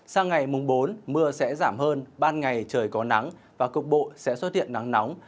sang ngày mùng bốn mưa sẽ giảm hơn ban ngày trời có nắng và cục bộ sẽ xuất hiện nắng nóng